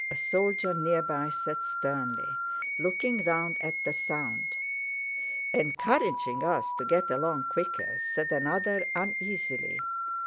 a soldier near by said sternly, looking round at the sound. "Encouraging us to get along quicker," said another uneasily.